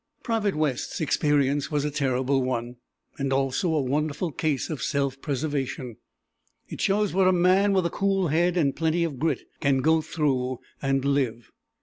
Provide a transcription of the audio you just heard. Private West's experience was a terrible one, and also a wonderful case of self preservation. It shows what a man with a cool head and plenty of grit can go through and live.